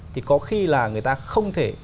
thì có khi là người ta không thể